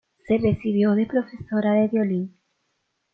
Se recibió de profesora de violín.